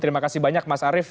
terima kasih banyak mas arief